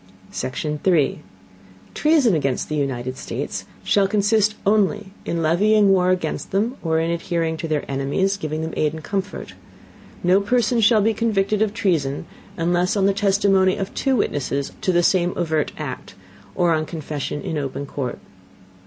Section 3. Treason against the United States, shall consist only in levying War against them, or in adhering to their Enemies, giving them Aid and Comfort. No Person shall be convicted of Treason unless on the Testimony of two Witnesses to the same overt Act, or on Confession in open Court.